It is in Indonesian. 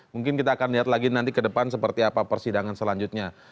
mungkin kita akan lihat lagi nanti ke depan seperti apa persidangan selanjutnya